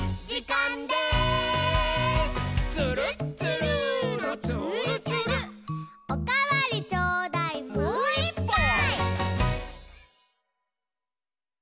「つるっつるーのつーるつる」「おかわりちょうだい」「もういっぱい！」